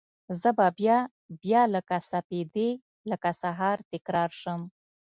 زه به بیا، بیا لکه سپیدې لکه سهار، تکرار شم